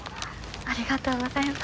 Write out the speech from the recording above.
ありがとうございます。